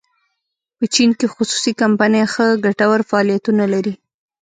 په چین کې خصوصي کمپنۍ ښه ګټور فعالیتونه لري.